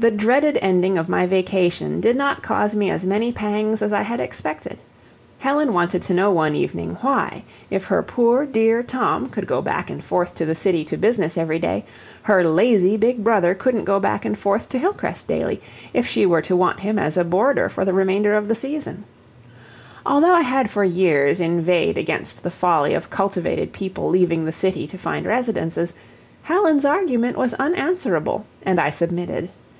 The dreaded ending of my vacation did not cause me as many pangs as I had expected. Helen wanted to know one evening why, if her poor, dear Tom could go back and forth to the city to business every day, her lazy big brother couldn't go back and forth to Hillcrest daily, if she were to want him as a boarder for the remainder of the season. Although I had for years inveighed against the folly of cultivated people leaving the city to find residences, Helen's argument was unanswerable and I submitted.